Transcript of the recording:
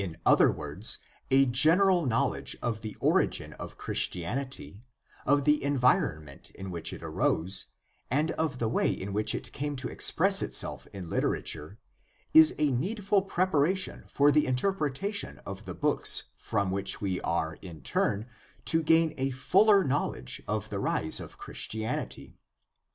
• III other words, a general knowledge of the origin of Christianity, of the environment in which it arose, and of the way in which it came to express itself in literature, is a needful preparation for the interpretation of the books from which we are in turn to gain a fuller knowledge of the rise of Chris tianity.